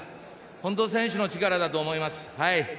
本当、選手の力だと思います。